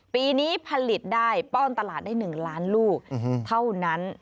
ปีนี้ผลิตได้ป้อนตลาดได้๑ล้านลูกเท่านั้น